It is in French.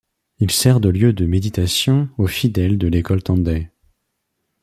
Il sert de lieu de méditation aux fidèles de l'école Tendai.